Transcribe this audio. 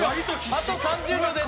あと３０秒です。